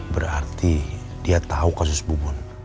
berarti dia tau kasus bubun